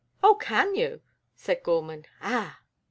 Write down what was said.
"Oh, can you?" said Gorman. "Ah!"